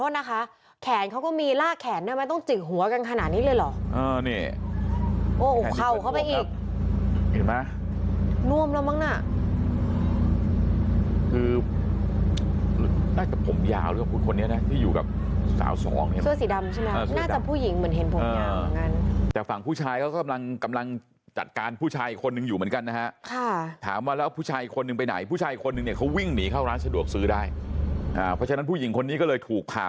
นี่เดี๋ยวขอโทษนะคะแขนเขาก็มีลากแขนไม่ต้องจึกหัวกันขนาดนี้เลยหรอ